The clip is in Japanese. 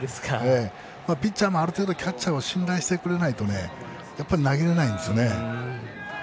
ピッチャーもある程度、キャッチャーを信頼してくれないと投げれないんです。